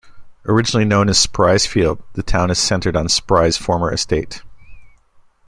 Originally known as Spry's Field, the town is centred on Spry's former estate.